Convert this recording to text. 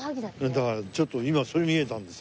だからちょっと今それ見えたんでさ。